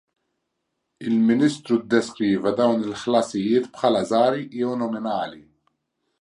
Il-Ministru ddeskriva dawn il-ħlasijiet bħala żgħar jew nominali.